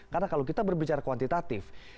karena kalau kita berbicara kuantitatif